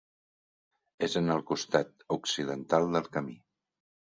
És en el costat occidental del camí.